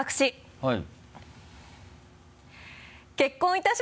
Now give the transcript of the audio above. はい。